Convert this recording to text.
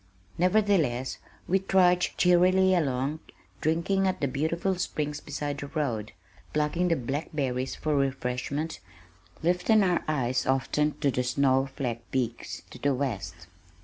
Nevertheless we trudged cheerily along, drinking at the beautiful springs beside the road, plucking blackberries for refreshment, lifting our eyes often to the snow flecked peaks to the west.